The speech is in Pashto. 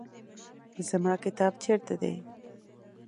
زما کتاب چیرته دی؟